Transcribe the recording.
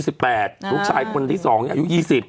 ลูกชายคนที่๒อายุ๒๐